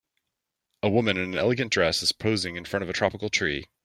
A woman in an elegant dress is posing in front of a tropical tree.